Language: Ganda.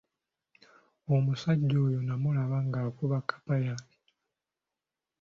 Omusajja oyo nnamulaba ng'akuba kkapa yange.